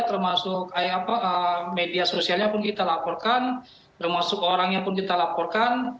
termasuk media sosialnya pun kita laporkan termasuk orangnya pun kita laporkan